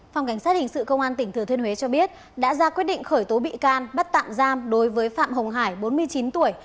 phòng cảnh sát hình sự công an tỉnh thừa thiên huế cho biết đã ra quyết định khởi tố bị can bắt tạm giam đối với phạm hồng hải bốn mươi chín tuổi